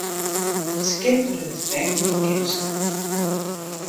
It skip dreau tebek nei de kust.